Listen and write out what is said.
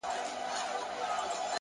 اخلاص د عمل ارزښت څو برابره کوي